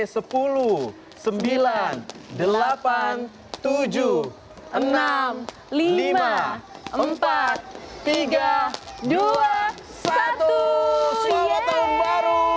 selamat tahun baru